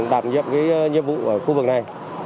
đảm nhiệm cái nhiệm vụ ở khu vực này